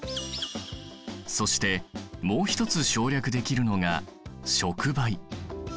そしてもう一つ省略できるのが触媒。